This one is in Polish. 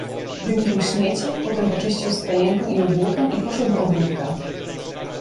"Wymiótł śmiecie, potem oczyścił stajenkę i obórkę i poszedł do ogródka."